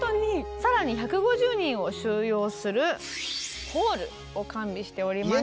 更に１５０人を収容するホールを完備しております。